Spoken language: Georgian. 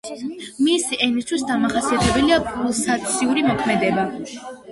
მისი „ენისთვის“ დამახასიათებელია პულსაციური მოქმედება.